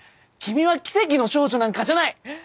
君は奇跡の少女なんかじゃない。